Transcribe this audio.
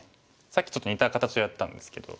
さっきちょっと似た形をやったんですけど。